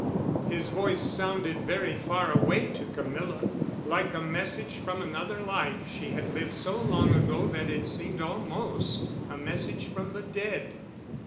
His voice sounded very far away to Camilla, like a message from another life she had lived so long ago that it seemed almost a message from the dead.